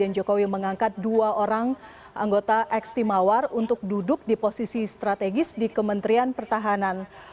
jokowi mengangkat dua orang anggota ekstimawar untuk duduk di posisi strategis di kementerian pertahanan